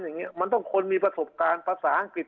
อย่างนี้มันต้องคนมีประสบการณ์ภาษาอังกฤษ